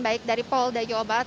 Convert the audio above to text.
baik dari pol dajo obat